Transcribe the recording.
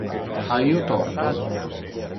Ha io torto?